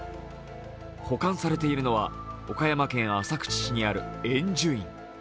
保管されているのは岡山県浅口市にある円珠院。